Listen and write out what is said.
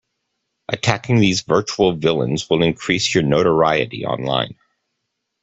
Attacking these virtual villains will increase your notoriety online.